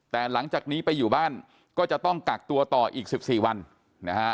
แต่หลังจากนี้ไปอยู่บ้านก็จะต้องกักตัวต่ออีก๑๔วันนะฮะ